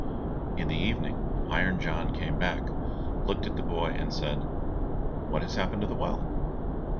In the evening Iron John came back, looked at the boy, and said, "What has happened to the well?"